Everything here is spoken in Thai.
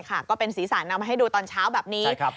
ใช่ค่ะก็เป็นศีรษะนำให้ดูตอนเช้าแบบนี้